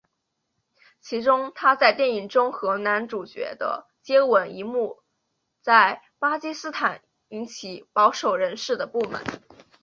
其中她在电影中和男主角的接吻一幕在巴基斯坦引起保守人士的不满。